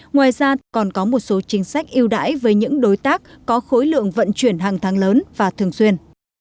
ngoài ra còn có một số chính sách yêu đãi với những đối tác có khối lượng vận chuyển hàng tháng lớn và thường xuyên